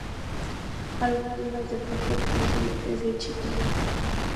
Algunos vinos de paja se producen en Grecia y Chipre.